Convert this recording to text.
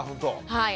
はい。